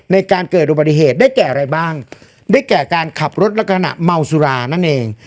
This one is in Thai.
ในการเกิดอุบัติเหตุได้แก่อะไรบ้างได้แก่การขับรถลักษณะเมาสุรานั่นเอง